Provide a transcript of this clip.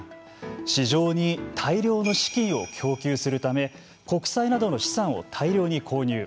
市場に大量の資金を供給するため、国債などの資産を大量に購入。